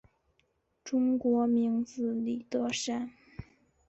中国名字李德山。